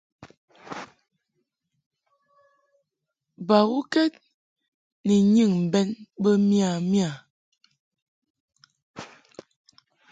Bawuked ni nyɨŋ bɛn bə miya miya.